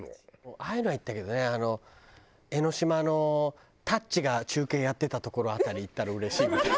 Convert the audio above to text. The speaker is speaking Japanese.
ああいうのは行ったけどね江ノ島のたっちが中継やってた所辺り行ったらうれしいみたいな。